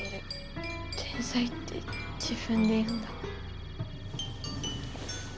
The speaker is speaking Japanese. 「天才」って自分で言うんだ。